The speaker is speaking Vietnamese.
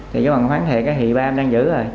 thì bằng khoảng thể cái hị ba em đang giữ rồi